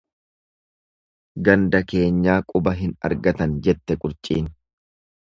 Ganda keenyaa quba hin argan, jette qurciin.